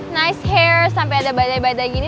nice hair sampe ada badai badai gini